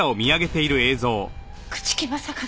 朽木政一！